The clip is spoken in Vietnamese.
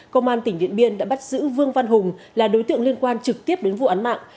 công an tỉnh điện biên đã bắt giữ vương văn hùng là đối tượng liên quan trực tiếp đến vụ án mạng